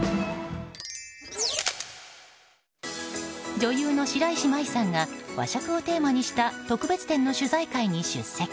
女優の白石麻衣さんが和食をテーマにした特別展の取材会に出席。